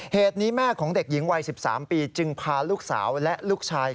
เหตุนี้แม่ของเด็กหญิงวัย๑๓ปีจึงพาลูกสาวและลูกชาย